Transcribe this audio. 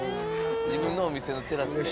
自分のお店のテラスで。